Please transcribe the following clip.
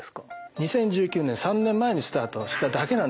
２０１９年３年前にスタートしただけなんですよまだ。